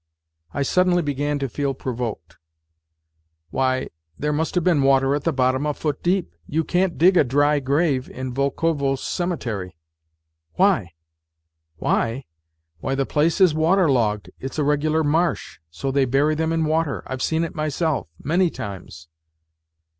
I suddenly began to feel provoked. " Why, there must have been water at the bottom a foot deep. You can't dig a dry grave in Volkovo Cemetery." "Why?" " Why ? Why, the place is waterlogged. It's a regular marsh So they bury them in water. I've seen it myself ... many times."